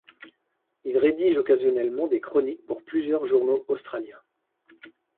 Il rédige occasionnellement des chroniques pour plusieurs journaux australiens.